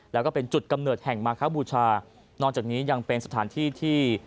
แล้วก็เป็นจุดกำเนิดแห่งมาคบูชานอกจากนี้ยังเป็นสถานที่ที่